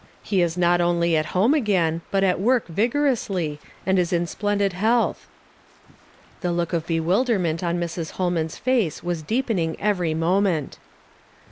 He is not only at home again, but at work vigorously, and is in splendid health." The look of bewilderment on Mrs. Holman's face was deepening every moment.